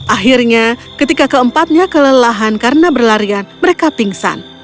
akhirnya ketika keempatnya kelelahan karena berlarian mereka pingsan